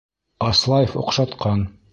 Аслаев оҡшатҡан!